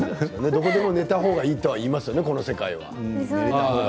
どこでも寝られた方がいいと言いますよね、この世界は。